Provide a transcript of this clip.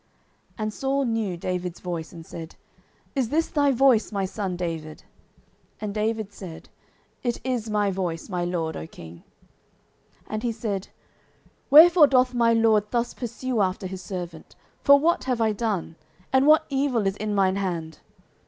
09:026:017 And Saul knew David's voice, and said, Is this thy voice, my son David? And David said, It is my voice, my lord, O king. 09:026:018 And he said, Wherefore doth my lord thus pursue after his servant? for what have I done? or what evil is in mine hand?